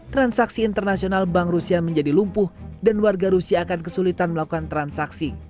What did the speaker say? transaksi internasional bank rusia menjadi lumpuh dan warga rusia akan kesulitan melakukan transaksi